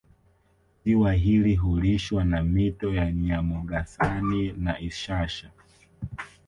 Ziwa hili hulishwa na mito ya Nyamugasani na Ishasha